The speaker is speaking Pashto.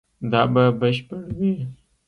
دا به بشپړ وي